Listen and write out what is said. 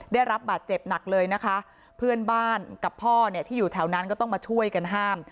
ได้รับบาดเจ็บหนักเลยนะคะเพื่อนบ้านกับพ่อเนี่ยที่อยู่แถวนั้นก็ต้องมาช่วยกันห้าม